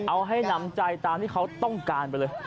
เอาให้หนำใจตามที่เขาต้องการไปเลย